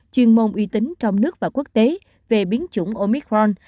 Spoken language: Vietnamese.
chuyên môn uy tín trong nước và quốc tế về biến chủng omicron